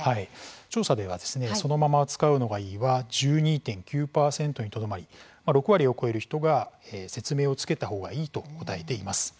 調査ではですねそのまま使うのがいいは１２．９％にとどまり６割を超える人が説明をつけた方がいいと答えています。